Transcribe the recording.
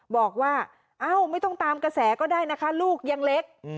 บอกว่าเอ้าไม่ต้องตามกระแสก็ได้นะคะลูกยังเล็ก